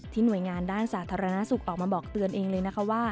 หน่วยงานด้านสาธารณสุขออกมาบอกเตือนเองเลยนะคะว่า